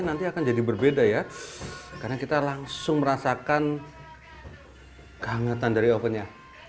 nanti akan jadi berbeda ya karena kita langsung merasakan kehangatan dari ovennya